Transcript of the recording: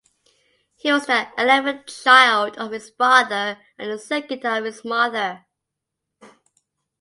He was the eleventh child of his father and the second of his mother.